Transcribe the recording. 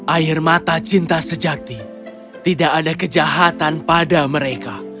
air mata cinta sejati tidak ada kejahatan pada mereka